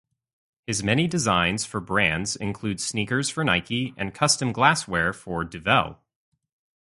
His many designs for brands include sneakers for Nike and custom glassware for Duvel.